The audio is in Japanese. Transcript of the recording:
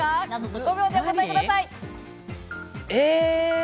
５秒でお答えください。